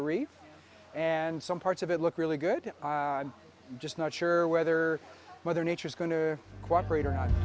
kami akan mencoba untuk mencoba